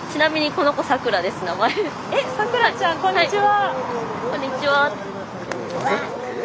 こんにちは！